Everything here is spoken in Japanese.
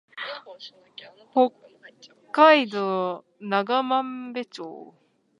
北海道長万部町